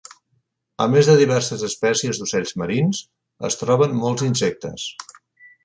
A més de diverses espècies d'ocells marins, es troben molts insectes.